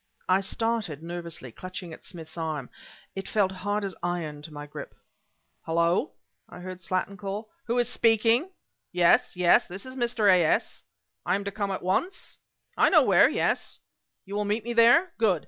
I started, nervously, clutching at Smith's arm. It felt hard as iron to my grip. "Hullo!" I heard Slattin call "who is speaking?... Yes, yes! This is Mr. A. S.... I am to come at once?... I know where yes I ... you will meet me there?... Good!